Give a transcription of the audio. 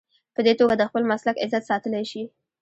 په دې توګه د خپل مسلک عزت ساتلی شي.